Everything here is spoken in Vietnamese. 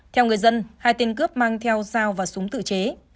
theo người dân hai tên cướp mang theo dao và súng tự chế